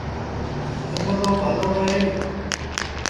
گملو ڀلو اهي۔